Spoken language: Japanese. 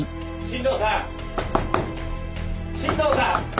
新道さん！